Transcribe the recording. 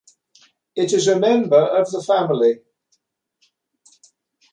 It is a member of the family.